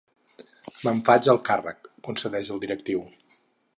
Me'n faig el càrrec —concedeix el directiu.